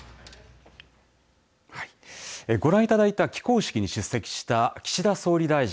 はい、ご覧いただいた起工式に出席した岸田総理大臣。